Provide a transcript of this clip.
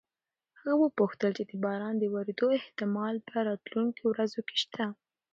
هغه وپوښتل چې د باران د ورېدو احتمال په راتلونکو ورځو کې شته؟